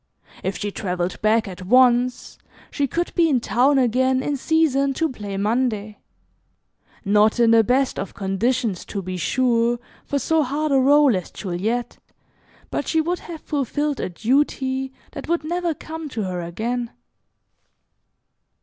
If she travelled back at once, she could be in town again in season to play Monday; not in the best of conditions, to be sure, for so hard a rôle as "Juliet," but she would have fulfilled a duty that would never come to her again.